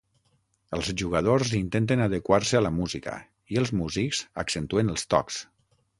Els jugadors intenten adequar-se a la música, i els músics accentuen els tocs.